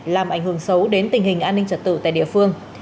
làm ảnh hưởng xấu đến tình hình an ninh trật tự tại địa phương